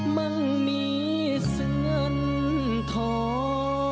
มันมีเสือนทอง